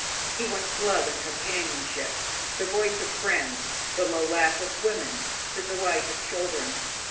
He wants love and companionship, the voice of friends, the low laugh of women, the delight of children.